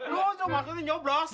nusuk maksudnya nyoblos